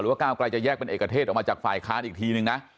ก้าวไกลจะแยกเป็นเอกเทศออกมาจากฝ่ายค้านอีกทีนึงนะ